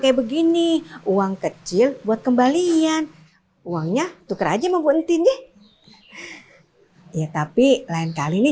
kayak begini uang kecil buat kembalian uangnya tuker aja mau buyen jahe ya tapi lain kali nih